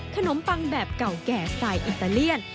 ปังแบบเก่าแก่สไตล์อิตาเลียน